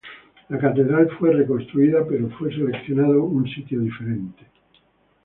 La catedral fue reconstruida, pero fue seleccionado un sitio diferente.